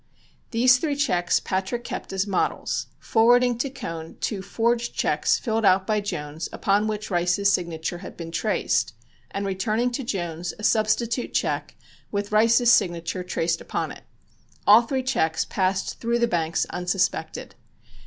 These three checks Patrick kept as models, forwarding to Cohn two forged checks filled out by Jones upon which Rice's signature had been traced, and returning to Jones a substitute check with Rice's signature traced upon it. All three checks passed through the banks unsuspected.